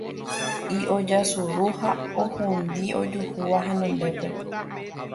Y ojasuru ha ohundi ojuhúva henondépe